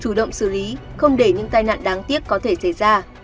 chủ động xử lý không để những tai nạn đáng tiếc có thể xảy ra